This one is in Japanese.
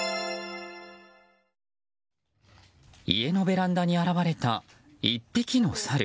家のベランダに現れた１匹のサル。